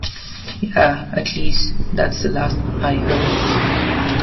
Yeah, at least that's the last I heard.